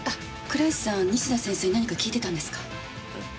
倉石さん西田先生に何か聞いてたんですか？